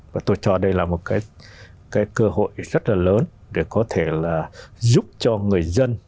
và tôi cho đây là một cái cơ hội rất là lớn để có thể là giúp cho người dân